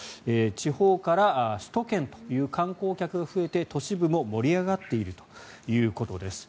地方から首都圏という観光客が増えて都市部も盛り上がっているということです。